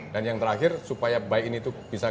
dan yang terakhir supaya buy in itu bisa